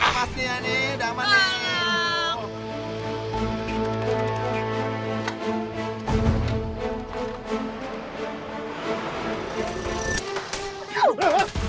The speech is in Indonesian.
mas nia nih udah aman nih